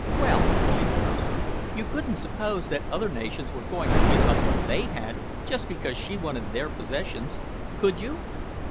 "Well," Philippa observed, "you couldn't suppose that other nations were going to give up what they had, just because she wanted their possessions, could you?"